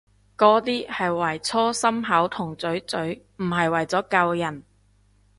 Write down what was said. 嗰啲係為搓心口同嘴嘴，唔係為咗救人